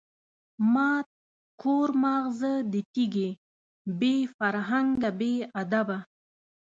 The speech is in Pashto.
ماټ کور ماغزه د تیږی، بی فرهنگه بی ادبه